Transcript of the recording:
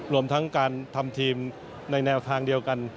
รวมทั้งการทำทีมในแนวทางเดียวกัน